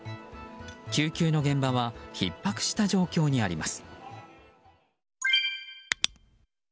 救急の現場はひっ迫した状況にあります。